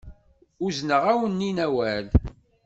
Uzneɣ-awen-in awal.